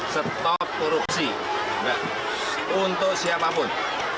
stop korupsi untuk siapapun